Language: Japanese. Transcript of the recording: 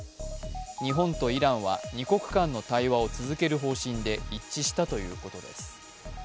日本とイランは、二国間の対話を続ける方針で一致したということです。